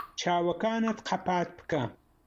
چاوەکانت قەپات بکە.